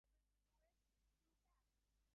Chronological tables of important people.